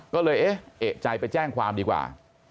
ก็เลยเอ๊ะเอกใจไปแจ้งความดีกว่า